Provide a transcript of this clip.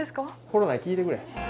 コロナに聞いてくれ。